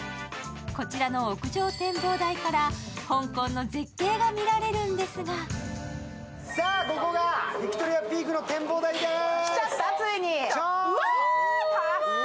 こちらの屋上展望台から香港の絶景が見られるんですがこちらがビクトリアピークの展望台です！